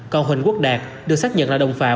còn huỳnh quốc đạt được xác nhận là đồng phạm